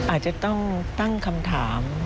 อาจจะต้องตั้งคำถาม